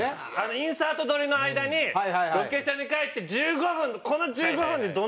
インサート撮りの間にロケ車に帰って１５分。